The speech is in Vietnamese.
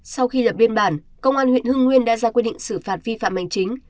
sau khi lập biên bản công an huyện hưng nguyên đã ra quyết định xử phạt vi phạm hành chính